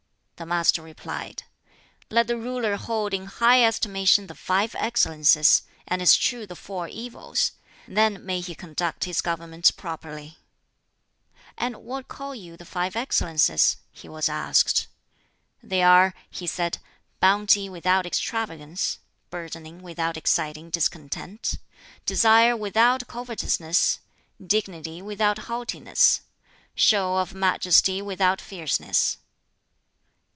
The Master replied, "Let the ruler hold in high estimation the five excellences, and eschew the four evils; then may he conduct his government properly." "And what call you the five excellences?" he was asked. "They are," he said, "Bounty without extravagance; burdening without exciting discontent; desire without covetousness; dignity without haughtiness; show of majesty without fierceness."